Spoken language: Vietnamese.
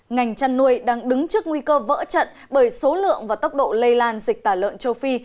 ngành chăn nuôi đang đứng trước nguy cơ vỡ trận bởi số lượng và tốc độ lây lan dịch tả lợn châu phi